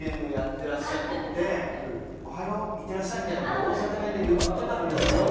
てらっしゃってて「おはよう。いってらっしゃい」みたいな事を大阪弁で言ってたんですよ。